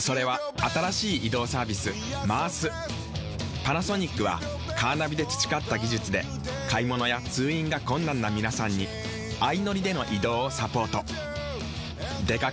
パナソニックはカーナビで培った技術で買物や通院が困難な皆さんに相乗りでの移動をサポート。